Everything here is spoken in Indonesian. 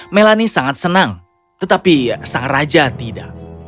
melani sangat senang tetapi sang raja tidak